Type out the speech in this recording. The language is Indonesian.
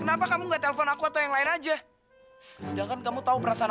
nah nangfalin skenario gak bisa